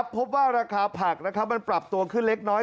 พบว่าราคาผักมันปรับตัวขึ้นเล็กน้อย